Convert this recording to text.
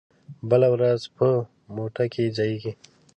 بله ورځ په مو ټه کې ځائېږي